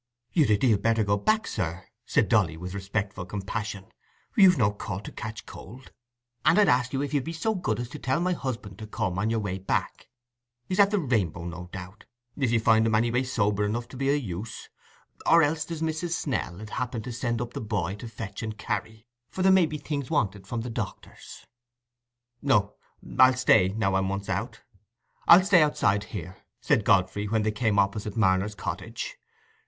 "You'd a deal better go back, sir," said Dolly, with respectful compassion. "You've no call to catch cold; and I'd ask you if you'd be so good as tell my husband to come, on your way back—he's at the Rainbow, I doubt—if you found him anyway sober enough to be o' use. Or else, there's Mrs. Snell 'ud happen send the boy up to fetch and carry, for there may be things wanted from the doctor's." "No, I'll stay, now I'm once out—I'll stay outside here," said Godfrey, when they came opposite Marner's cottage.